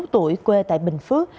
ba mươi một tuổi quê tại bình phước